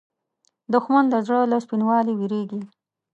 دښمن د زړه له سپینوالي وېرېږي